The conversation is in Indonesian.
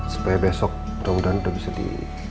supaya besok mudah dua udah bisa di